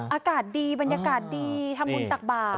อากาศดีบรรยากาศดีทำบุญตักบาท